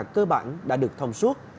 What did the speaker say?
cơ bản đã được thông suốt